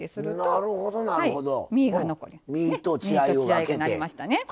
身と血合いになりましたね。